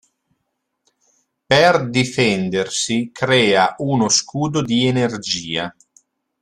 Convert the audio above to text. Per difendersi crea uno scudo di energia.